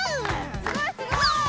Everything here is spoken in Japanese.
すごいすごい！